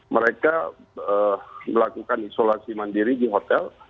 mereka melakukan isolasi mandiri di hotel